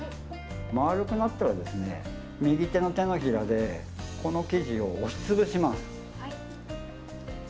丸くなったら、右手の手のひらでこの生地を押し潰します。